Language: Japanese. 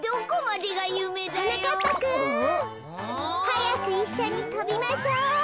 はやくいっしょにとびましょう。